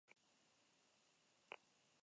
Gertaerak ez zuen loturarik terrorismoarekin.